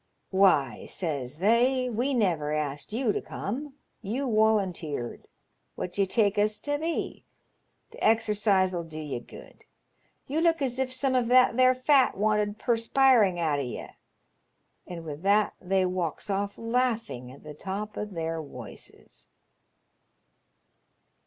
* Why,* says they, ' we never asked you to come. You wolunteered. What d'ye take us to be ? The exercise *11 do ye good. You look as if some of that there fat wanted pusspiring out of ye,' and with that they walks off laughing at the top of their woices."